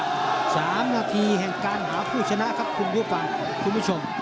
๓นาทีแห่งการหาผู้ชนะครับคุณผู้ชม